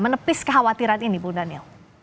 menepis kekhawatiran ini bu daniel